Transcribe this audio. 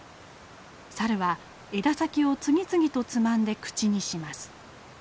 サルは枝先を次々とつまんで口にします。